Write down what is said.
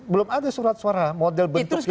belum ada surat suara model bentuknya